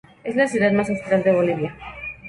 Es la ciudad más austral de Bolivia.